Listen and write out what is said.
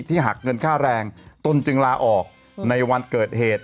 หักเงินค่าแรงตนจึงลาออกในวันเกิดเหตุ